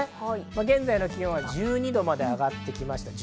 現在の気温は１２度まで上がってきました。